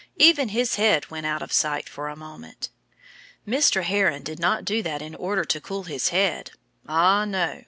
Even his head went out of sight for a moment. Mr. Heron did not do that in order to cool his head. Ah, no!